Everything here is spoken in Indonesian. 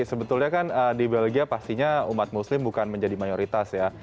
sebetulnya kan di belgia pastinya umat muslim bukan menjadi mayoritas ya